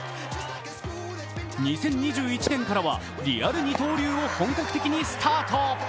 ２０２１年からはリアル二刀流を本格的にスタート。